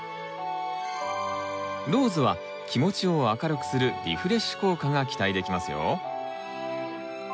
ローズは気持ちを明るくするリフレッシュ効果が期待できますよ。